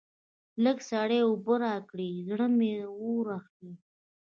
لږ سړې اوبه راکړئ؛ زړه مې اور اخلي.